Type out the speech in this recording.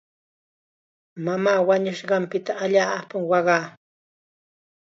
Mamaa wañunqanpita allaapam waqaa.